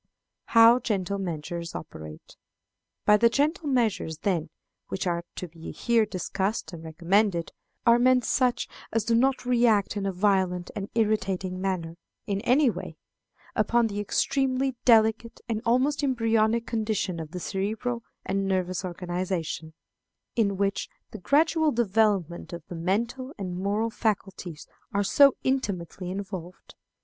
How Gentle Measures operate. By the gentle measures, then, which are to be here discussed and recommended, are meant such as do not react in a violent and irritating manner, in any way, upon the extremely delicate, and almost embryonic condition of the cerebral and nervous organization, in which the gradual development of the mental and moral faculties are so intimately involved.